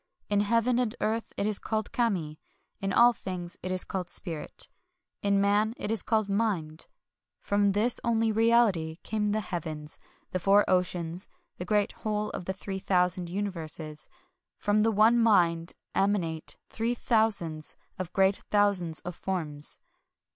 In Heaven and Earth it is called Kami ; in all things it is called Spirit ; in Man it is called Mind. ... From this only reality came the heavens, the four oceans, the great whole of the three thousand universes ;— from the One Mind emanate three thousands of great thousands of forms."